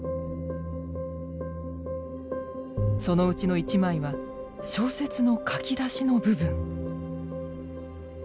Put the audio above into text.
そのうちの一枚は小説の書き出しの部分。